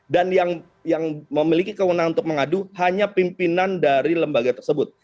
dan yang memiliki kewenangan untuk mengadu hanya pimpinan dari lembaga tersebut